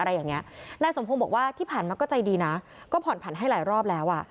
ด้านสมธงบอกว่าที่ผ่านมาก็ใจดีนะก็ผ่อนผ่านให้หลายรอบแล้ว